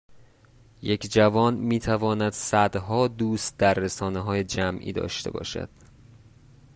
یک جوان میتواند صدها دوست در رسانههای جمعی داشته باشد